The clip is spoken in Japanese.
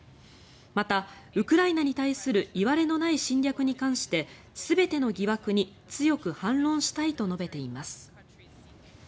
また、ウクライナに対するいわれのない侵略に関して全ての疑惑に強く反論したいと述べています。